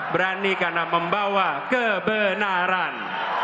berani karena membawa kebenaran